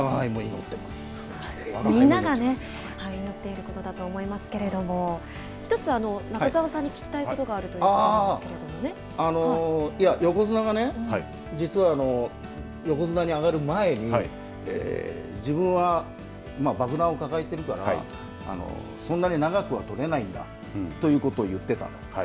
みんなが祈っていることだと思いますけれども１つ、中澤さんに聞きたいことが横綱がね実は、横綱に上がる前自分は爆弾を抱えているからそんなに長くは取れないんだということを言ってたと。